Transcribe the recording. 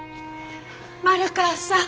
丸川さん。